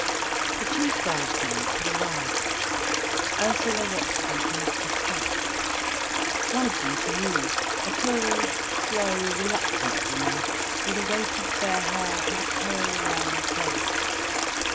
The chief bridesmaids had arrived. Ursula watched them come up the steps. One of them she knew, a tall, slow, reluctant woman with a weight of fair hair and a pale, long face.